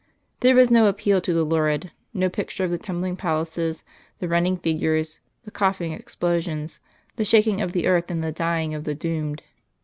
There was no appeal to the lurid, no picture of the tumbling palaces, the running figures, the coughing explosions, the shaking of the earth and the dying of the doomed.